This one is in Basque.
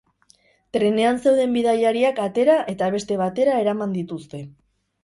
Trenean zeuden bidaiariak atera eta beste batera eraman dituzte.